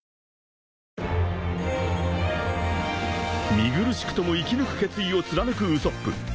［見苦しくとも生き抜く決意を貫くウソップ］